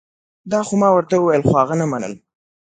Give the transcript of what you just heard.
دا خو ما ورته وویل خو هغه نه منل